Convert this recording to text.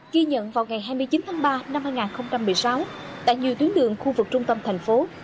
ghi nhận vào ngày hai mươi chín tháng ba năm hai nghìn một mươi sáu tại nhiều tuyến đường khu vực trung tâm thành phố